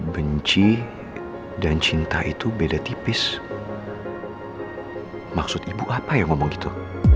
benci dan cinta itu beda tipis maksud ibu apa yang ngomong itu